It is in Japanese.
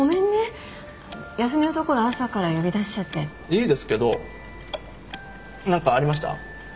いいですけど何かありました？